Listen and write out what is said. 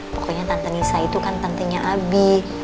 pokoknya tante nisa itu kan tantenya abi